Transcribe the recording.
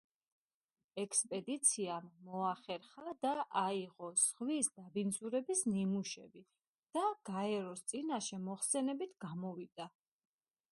ექსპედიციამ მოახერხა და აიღო ზღვის დაბინძურების ნიმუშები და გაეროს წინაშე მოხსენებით გამოვიდა.